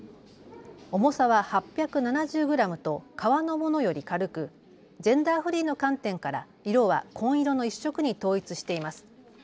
重さは８７０グラムと革のものより軽くジェンダーフリーの観点から色は紺色の１色に統一しています。